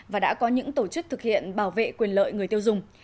và đã có những tổ chức thực hiện bảo vệ quyền lợi người tiêu dùng